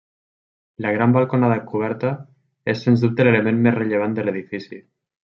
La gran balconada coberta és sens dubte l'element més rellevant de l'edifici.